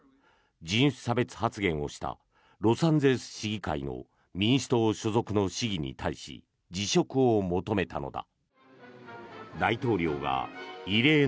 人種差別発言をしたロサンゼルス市議会の民主党所属の市議に対し辞職を求めたのだ。